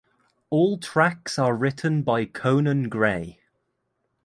All tracks are written by Conan Gray